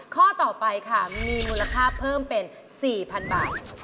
ข้อต่อไปค่ะมีมูลค่าเพิ่มเป็น๔๐๐๐บาท